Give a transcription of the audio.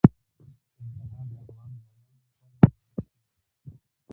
کندهار د افغان ځوانانو لپاره دلچسپي لري.